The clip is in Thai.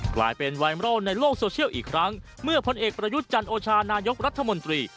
กลายเป็นไวรัลในโลกโซเชียลอีกครั้งเมื่อพลเอกประยุทธ์จันโอชานายกรัฐมนตรี